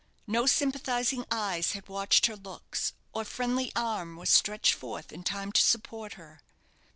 No sympathizing eyes had watched her looks, or friendly arm was stretched forth in time to support her.